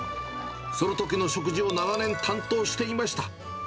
そのときの食事を長年担当していました。